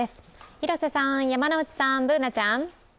広瀬さん、山内さん、Ｂｏｏｎａちゃん。